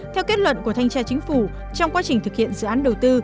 theo kết luận của thanh tra chính phủ trong quá trình thực hiện dự án đầu tư